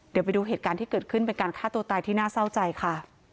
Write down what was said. เดี๋ยวไปดูเหตุการณ์ที่เกิดขึ้นเป็นการฆ่าตัวตายที่น่าเศร้าใจค่ะ